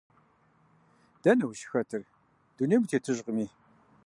Дэнэ ущыхэтыр, дунейм утетыжкъыми.